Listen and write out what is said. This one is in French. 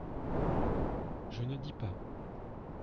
Je ne dis pas…